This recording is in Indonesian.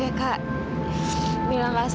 aku mau berbohong sama kamu